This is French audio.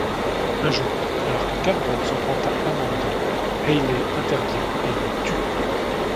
Un jour, alors que Cameron s'en prend à Amanda, Hayley intervient et le tue.